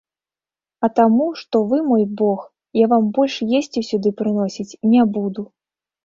А таму, што вы мой бог, я вам больш есці сюды прыносіць не буду.